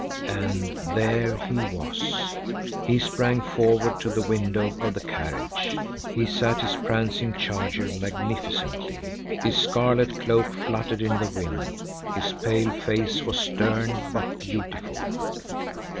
And there he was; he sprang forward to the window of the carriage. He sat his prancing charger magnificently. His scarlet cloak fluttered in the wind. His pale face was stern, but beautiful.